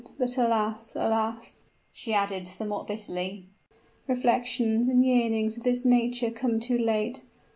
But, alas, alas!" she added, somewhat bitterly, "reflections and yearnings of this nature come too late!